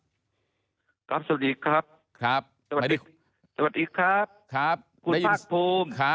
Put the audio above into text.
สวัสดีครับสวัสดีครับคุณภาคภูมิ